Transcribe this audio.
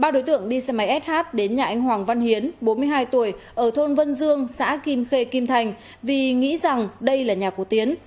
ba đối tượng đi xe máy sh đến nhà anh hoàng văn hiến bốn mươi hai tuổi ở thôn vân dương xã kim khê kim thành vì nghĩ rằng đây là nhà của tiến